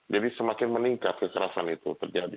jadi semakin meningkat kekerasan itu terjadi